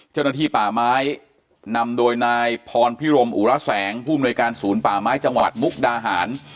เจ้าหน้าที่ป่าไม้นำโดยนายพรพิรมอุระแสงผู้อำนวยการศูนย์ป่าไม้จังหวัดมุกดาหาร